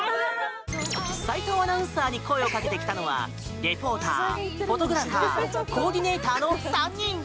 斎藤アナウンサーに声をかけてきたのはリポーター、フォトグラファーコーディネーターの３人。